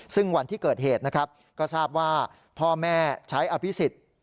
ซึ่งวันที่เกิดเหตุนะครับก็ทราบว่าพ่อแม่ใช้อภิษฎ